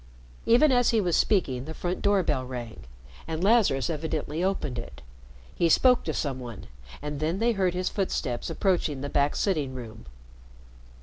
Even as he was speaking, the front door bell rang and Lazarus evidently opened it. He spoke to some one, and then they heard his footsteps approaching the back sitting room.